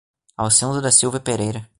Alcindo da Silva Pereira